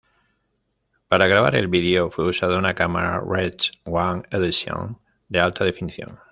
Para grabar el video fue usada una cámara Red One Edition de alta definición.